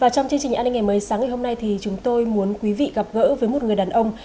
trong chương trình an ninh ngày mới sáng ngày hôm nay thì chúng tôi muốn quý vị gặp gỡ với một người đàn ông